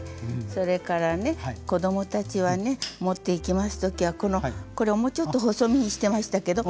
それからね子供たちはね持っていきます時はこれをもうちょっと細身にしてましたけど。